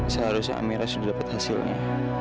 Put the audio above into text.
seharusnya amira sudah dapat hasilnya